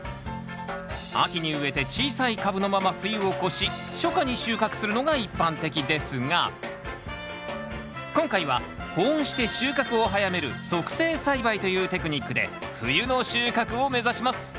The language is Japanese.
秋に植えて小さい株のまま冬を越し初夏に収穫するのが一般的ですが今回は保温して収穫を早める促成栽培というテクニックで冬の収穫を目指します。